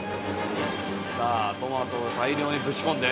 さぁトマトを大量にぶち込んで？